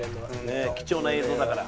ねえ貴重な映像だから。